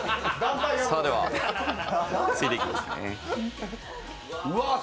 では、ついでいきますね。